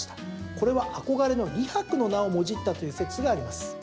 これは憧れの李白の名をもじったという説があります。